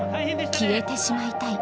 消えてしまいたい。